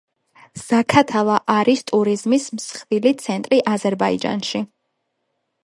ზაქათალა არის ტურიზმის მსხვილი ცენტრი აზერბაიჯანში.